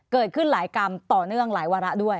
เกิดขึ้นหลายกรรมต่อเนื่องหลายวาระด้วย